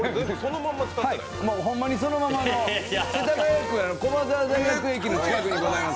はい、そのまんま、世田谷区の駒沢大学駅の近くにございます。